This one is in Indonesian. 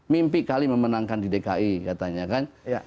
mimpi kali memenangkan di dki katanya kan